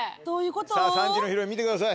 ３時のヒロイン見てください。